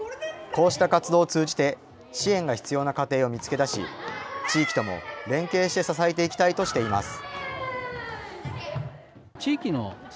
こうした活動を通じて、支援が必要な家庭を見つけ出し、地域とも連携して支えていきたいとしています。